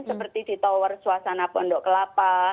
seperti di tower suasana pondok kelapa